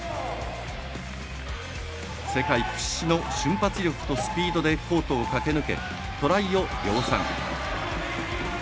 世界屈指の瞬発力とスピードでコートを駆け抜け、トライを量産。